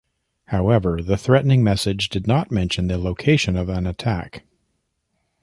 However, the threatening message did not mention the location of an attack.